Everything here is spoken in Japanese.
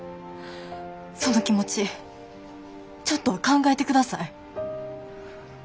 その気持ちちょっとは考えてください。